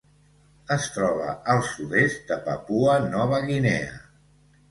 Es troba al sud-est de Papua Nova Guinea.